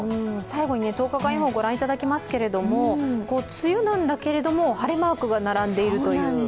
最後に１０日予報、ご覧いただきますけど梅雨なんだけれども、晴れマークが並んでいるという。